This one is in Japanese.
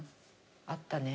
あったね。